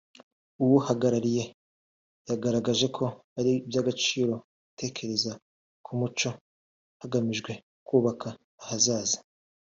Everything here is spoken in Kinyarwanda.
uwuhagarariye yagaragaje ko ari iby’agaciro gutekereza ku muco hagamijwe kubaka ahazaza